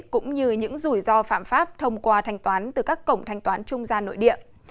cũng như những rủi ro phạm pháp thông qua thanh toán từ các cổng thanh toán trung gian nội địa